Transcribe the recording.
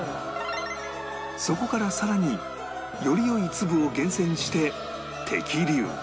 そこから更により良い粒を厳選して摘粒